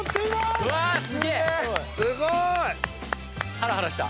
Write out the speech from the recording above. ハラハラした。